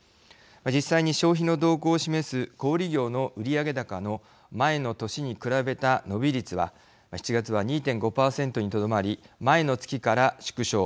実際に消費の動向を示す小売業の売上高の前の年に比べた伸び率は７月は２．５％にとどまり前の月から縮小。